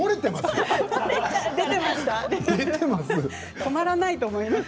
止まらないと思います。